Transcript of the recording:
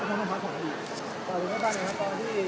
ตอนนี้ก็ต้องพักตัวเนี้ยตอนนี้ก็ต้องพักตัวเนี้ย